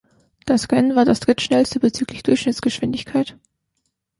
Das Rennen war das Drittschnellste bezüglich Durchschnittsgeschwindigkeit.